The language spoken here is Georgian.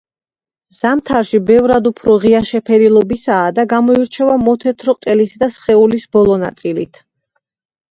ზამთარში ბევრად უფრო ღია შეფერილობისაა და გამოირჩევა მოთეთრო ყელით და სხეულის ბოლო ნაწილით.